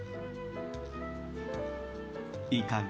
いかが？